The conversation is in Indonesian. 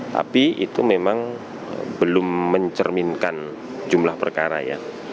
tapi itu memang belum mencerminkan jumlah perkara ya